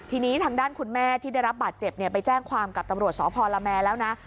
ทีนี้ทางด้านคุณแม่ที่ได้รับบาดเจ็บไปแจ้งความกับตำรวจสพละแมแล้วนะ